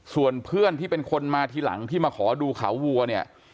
ส่วนเพื่อนที่เป็นคนมาทีหลังที่มาขอดูเขาวัวเนี่ย